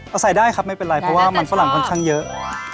ใส่ได้ครับไม่เป็นไรเพราะว่ามันฝรั่งค่อนข้างเยอะ